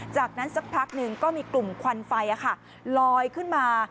จากนั้นสักพักหนึ่งก็มีกลุ่มควันไฟลอยขึ้นมา